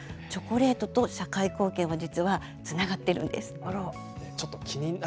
チョコレートと社会貢献は実はつながっているんです。